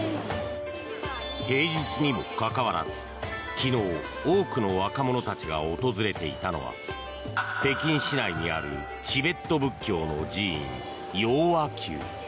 平日にもかかわらず、昨日多くの若者たちが訪れていたのは北京市内にあるチベット仏教の寺院、雍和宮。